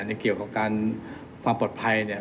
เกี่ยวกับการความปลอดภัยเนี่ย